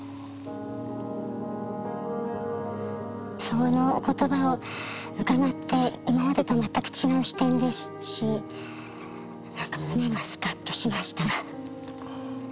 そのお言葉を伺って今までと全く違う視点ですし何か胸がスカッとしました。